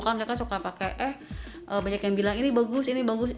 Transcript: kan kakak suka pakai eh banyak yang bilang ini bagus ini bagus